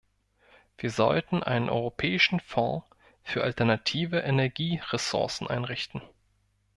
Wir sollten einen europäischen Fonds für alternative Energieressourcen einrichten.